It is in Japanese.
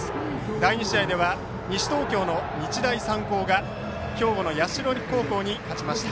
第２試合では西東京の日大三高が兵庫の社高校に勝ちました。